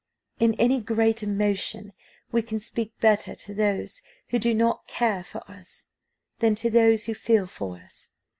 "In any great emotion we can speak better to those who do not care for us than to those who feel for us.